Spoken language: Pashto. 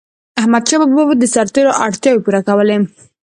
احمدشاه بابا به د سرتيرو اړتیاوي پوره کولي.